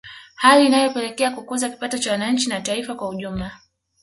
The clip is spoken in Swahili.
Hali inayopelekea kukuza kipato cha wananchi na taifa kwa ujumla